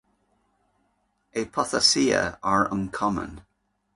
Apothecia are uncommon.